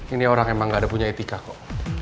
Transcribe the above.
ini orang emang gak ada punya etika kok